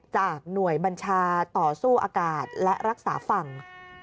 จากหน่วยบัญชาต่อสู้อากาศและรักษาฝั่ง